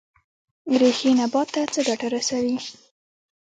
ریښې نبات ته څه ګټه رسوي؟